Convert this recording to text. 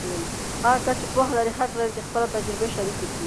هغه کس چې پوهه لري، حق لري چې خپله تجربې شریکې کړي.